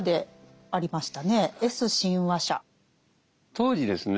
当時ですね